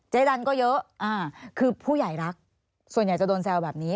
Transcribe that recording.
ดันก็เยอะคือผู้ใหญ่รักส่วนใหญ่จะโดนแซวแบบนี้